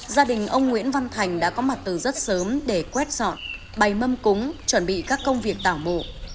gia đình ông nguyễn văn thành đã có mặt từ rất sớm để quét dọn bày mâm cúng chuẩn bị các công việc tảo mộ